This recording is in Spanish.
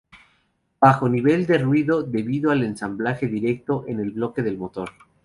Bajo nivel de ruido debido al ensamblaje directo en el bloque del motor.